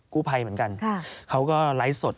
ภัยเหมือนกันเขาก็ไลฟ์สด